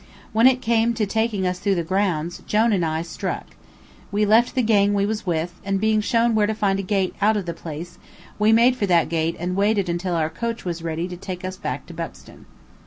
When it came to taking us through the grounds, Jone and I struck. We left the gang we was with, and being shown where to find a gate out of the place, we made for that gate and waited until our coach was ready to take us back to Buxton.